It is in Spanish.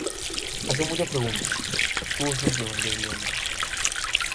Hace muchas preguntas, estuvo simplemente brillante.